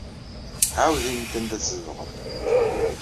Ɛawed ini-d anda tzedɣeḍ.